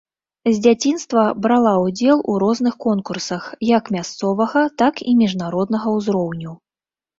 З дзяцінства брала ўдзел у розных конкурсах як мясцовага, так і міжнароднага ўзроўню.